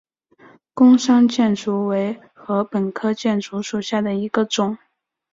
贡山箭竹为禾本科箭竹属下的一个种。